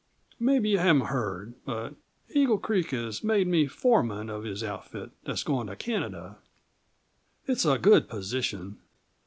"Maybe you haven't heard but Eagle Creek has made me foreman of his outfit that's going to Canada. It's a good position.